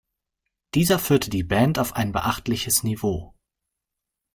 Dieser führte die Band auf ein beachtliches Niveau.